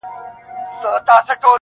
• هو پاچا ملا وزیر ملا سهي ده,